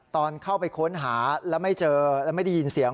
ตอนเข้าไปค้นหาแล้วไม่ได้ยินเสียง